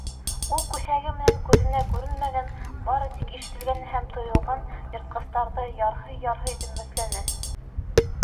Ул күҫәге менән күҙенә күренмәгән, бары тик ишетелгән һәм тойолған йыртҡыстарҙы ярһый-ярһый дөмбәҫләне.